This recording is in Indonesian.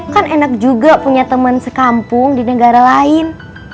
kan enak juga punya teman sekampung di negara lain